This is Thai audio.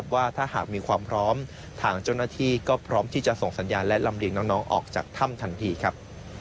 ว่าถ้าหากมีความพร้อมทางเจ้าหน้าที่ก็พร้อมที่จะส่งสัญญาณและลำเลียงน้องออกจากถ้ำทันทีครับ